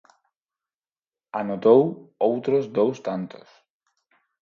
Anotou outros dous tantos.